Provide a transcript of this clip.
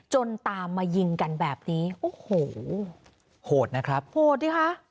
ตามมายิงกันแบบนี้โอ้โหโหดนะครับโหดดิคะ